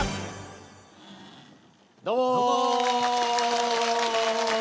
どうも。